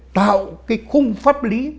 tạo cái khung pháp lý